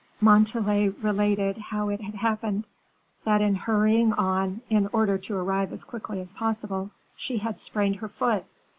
Montalais related how it had happened, that in hurrying on, in order to arrive as quickly as possible, she had sprained her foot.